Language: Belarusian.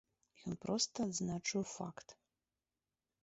Ён проста адзначыў факт.